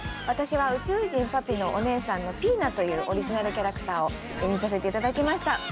私は宇宙人パピのお姉さんのピイナというオリジナルキャラクターを演じさせて頂きました。